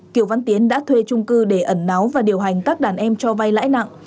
kiều văn tiến đã thuê trung cư để ẩn náu và điều hành các đàn em cho vay lãi nặng